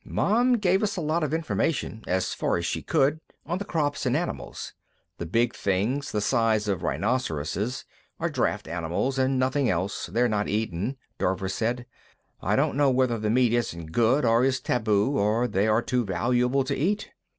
"Mom gave us a lot of information, as far as she could, on the crops and animals. The big things, the size of rhinoceroses, are draft animals and nothing else; they're not eaten," Dorver said. "I don't know whether the meat isn't good, or is taboo, or they are too valuable to eat.